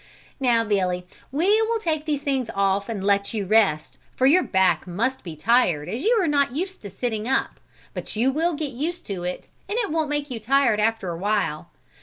"Now Billy, we will take these things off and let you rest for your back must be tired as you are not used to sitting up, but you will get used to it and it won't make you tired after awhile.